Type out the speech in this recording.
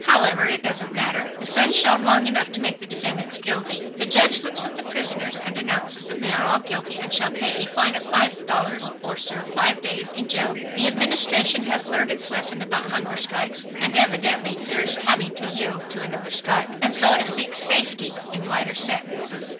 However, it doesn't matter. The sun shone long enough to make the defendants guilty. The judge looks at the prisoners and announces that they are "guilty" and "shall pay a fine of $5.00 or serve five days in jail." The Administration has learned its lesson about hunger strikes and evidently fears having to yield to another strike. And so it seeks safety in lighter sentences.